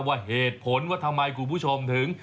ว่าเหตุผลว่าทำไมคุณผู้ชมถึง